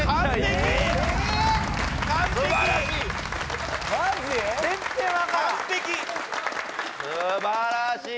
すばらしい！